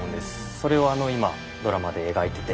それをあの今ドラマで描いてて。